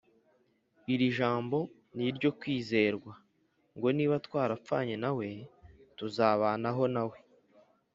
Iri jambo ni iryo kwizerwa, ngo niba twarapfanye na we, tuzabanaho na we;